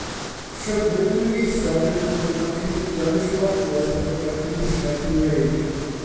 Llyfryn dwyieithog yn cyflwyno cynigion y Llywodraeth ar gyfer Cynulliad Cymreig.